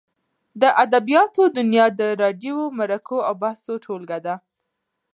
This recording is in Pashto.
د ادبیاتو دونیا د راډیووي مرکو او بحثو ټولګه ده.